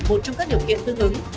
một trong các điều kiện tương ứng